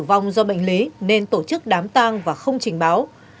tử vong do bệnh lý nên tổ chức đám tang và không trình báo